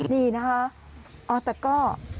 นี่นะฮะอ่อแต่ก็